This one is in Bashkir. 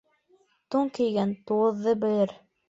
Тун кейгән туғыҙҙы белер.